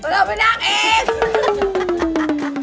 เราเป็นนักเอง